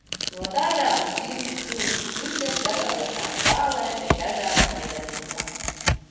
No dažādu dzimtu čūsku indes gatavotām zālēm ir dažāda iedarbība.